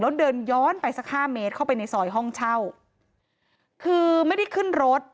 แล้วเดินย้อนไปสักห้าเมตรเข้าไปในซอยห้องเช่าคือไม่ได้ขึ้นรถ